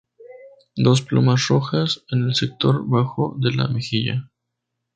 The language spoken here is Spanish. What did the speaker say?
Dos plumas rojas en el sector bajo de la mejilla.